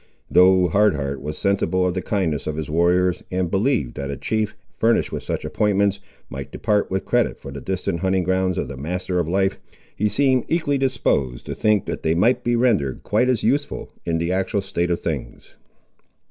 Though Hard Heart was sensible of the kindness of his warriors, and believed that a chief, furnished with such appointments, might depart with credit for the distant hunting grounds of the Master of Life, he seemed equally disposed to think that they might be rendered quite as useful, in the actual state of things.